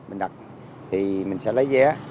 mình đặt thì mình sẽ lấy vé